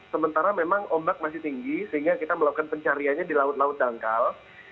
sementara memang ombak masih tinggi sehingga kita melakukan pencariannya di laut laut dangkal